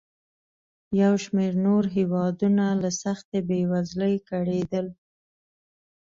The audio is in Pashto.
یو شمېر نور هېوادونه له سختې بېوزلۍ کړېدل.